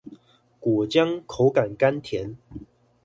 果漿口感甘甜